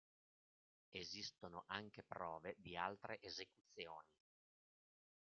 Esistono anche prove di altre esecuzioni.